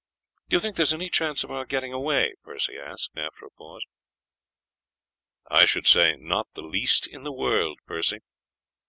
"Do you think there is any chance of our getting away?" Percy asked, after a pause. "I should say not the least in the world, Percy.